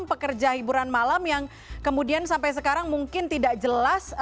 pekerja hiburan malam yang kemudian sampai sekarang mungkin tidak jelas